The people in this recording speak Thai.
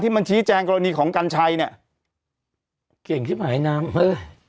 ที่มันชี้แจงกรณีของกันชัยเนี่ยเก่งขึ้นมาไอ้น้ำเอ้ย